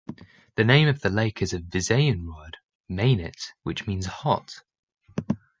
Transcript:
The name of the lake is a Visayan word "mainit", which means "hot".